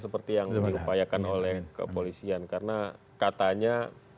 seperti yang diupayakan oleh kepolisian karena katanya